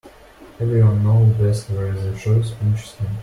Every one knows best where the shoe pinches him.